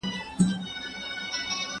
¬ اسي پوهېږي، دوږخ ئې.